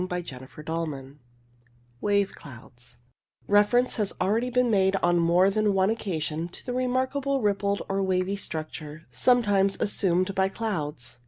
CHAPTER VIII WAVE CLOUDS Reference has already been made on more than one occasion to the remarkable rippled or wavy structure sometimes assumed by clouds.